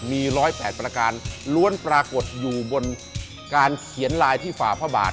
มี๑๐๘ประการล้วนปรากฏอยู่บนการเขียนลายที่ฝ่าพระบาท